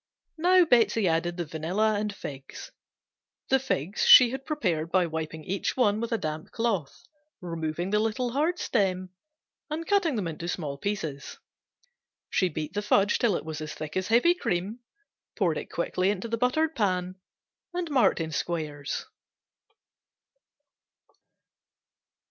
Now Betsey added the vanilla and figs (the figs she had prepared by wiping each one with a damp cloth, removing the little hard stem and cutting into small pieces), beat the fudge till it was as thick as heavy cream, poured quickly into the buttered pan and marked in squares.